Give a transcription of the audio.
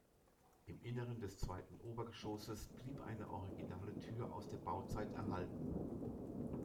Im Inneren des zweiten Obergeschosses blieb eine originale Tür aus der Bauzeit erhalten.